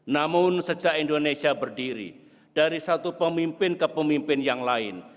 namun sejak indonesia berdiri dari satu pemimpin ke pemimpin yang lain